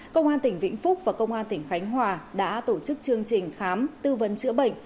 công an tỉnh vĩnh phúc và công an tỉnh khánh hòa đã tổ chức chương trình khám tư vấn chữa bệnh